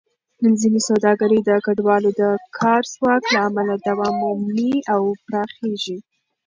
ځینې سوداګرۍ د کډوالو د کار ځواک له امله دوام مومي او پراخېږي.